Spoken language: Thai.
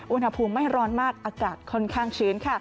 อุณหภูมิไม่ร้อนมากอากาศค่อนข้างชื้นค่ะ